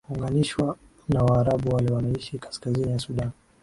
uunganishwa na waarabu wale wanaeishi kaskazini ya sudan